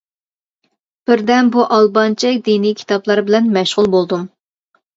بىر دەم بۇ ئالبانچە دىنى كىتابلار بىلەن مەشغۇل بولدۇم.